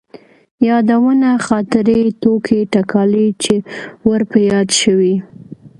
يادونه ،خاطرې، ټوکې تکالې چې ور په ياد شوي.